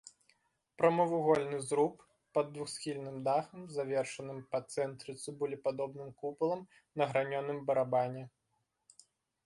Прамавугольны зруб пад двухсхільным дахам, завершаным па цэнтры цыбулепадобным купалам на гранёным барабане.